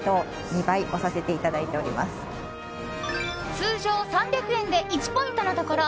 通常、３００円で１ポイントのところ